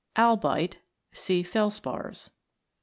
Albite. See Felspars.